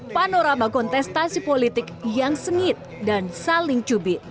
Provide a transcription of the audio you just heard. panorama kontestasi politik yang sengit dan saling cubit